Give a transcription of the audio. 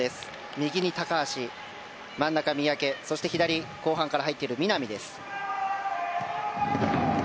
右に高橋真ん中、三宅そして、左は後半から入っている南です。